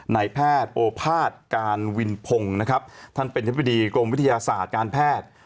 ไหนแพทย์โอภาษณ์การวินพงฯท่านเป็นเฉพาะดีกรมวิทยาศาสตร์การแพทย์